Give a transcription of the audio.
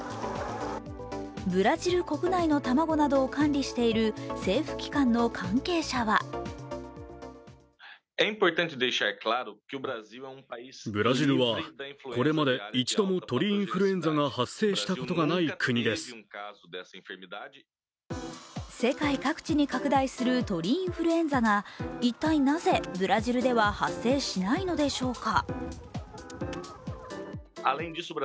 ブラジル国内の卵などを管理している政府機関の関係者は世界各地に拡大する鳥インフルエンザが、一体なぜブラジルでは発生しないのでしょうか。